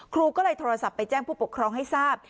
ครูก็เลยโทรศัพท์ไปแจ้งผู้ปกครองให้ทราบ